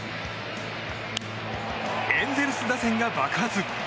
エンゼルス打線が爆発！